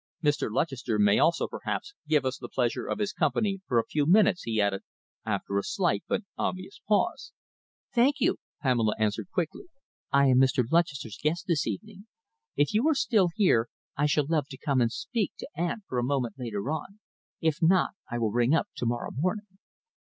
Mr. Lutchester may also, perhaps, give us the pleasure of his company for a few minutes," he added, after a slight but obvious pause. "Thank you," Pamela answered quickly, "I am Mr. Lutchester's guest this evening. If you are still here, I shall love to come and speak to aunt for a moment later on. If not, I will ring up to morrow morning."